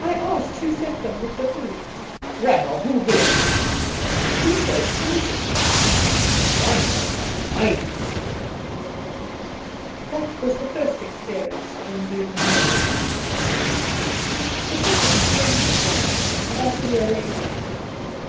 'I asked who sent them with the food.' ' Well, who did ?' 'He says "The missis"!' 'Shrine of the Mighty !'«* That was the first experience of Induna Nairn. The second came this wise, about a year later.